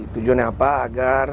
tujuan apa agar